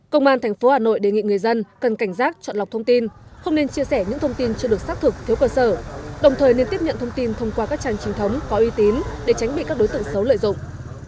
công an tp hà nội đề nghị người dân cần cảnh giác chọn lọc thông tin không nên chia sẻ những thông tin chưa được xác thực thiếu cơ sở đồng thời nên tiếp nhận thông tin thông qua các trang trình thống có uy tín để tránh bị các đối tượng xấu lợi dụng